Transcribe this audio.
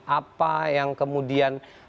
apa yang kemudian